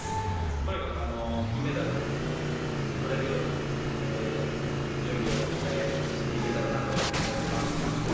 とにかく金メダルをとれるように、準備をしていけたらなと思ってます。